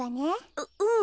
ううん。